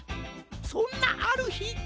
そんなあるひ。